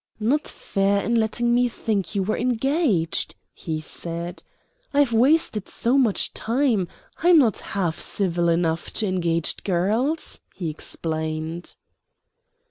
"Not fair in letting me think you were engaged," he said. "I've wasted so much time: I'm not half civil enough to engaged girls," he explained.